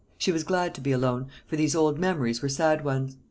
She was glad to be alone, for these old memories were sad ones.